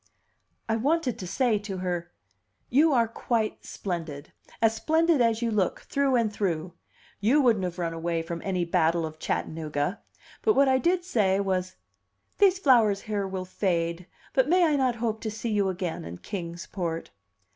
I wanted to say to her, "You are quite splendid as splendid as you look, through and through! You wouldn't have run away from any battle of Chattanooga!" But what I did say was, "These flowers here will fade, but may I not hope to see you again in Kings Port?"